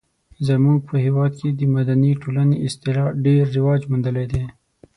زموږ په هېواد کې د مدني ټولنې اصطلاح ډیر رواج موندلی دی.